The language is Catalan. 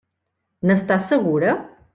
N'estàs segura?